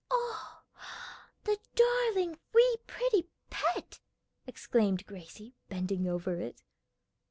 "Oh, the darling, wee, pretty pet!" exclaimed Gracie, bending over it.